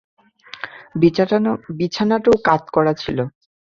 বিছানাটাও কাত করা ছিল।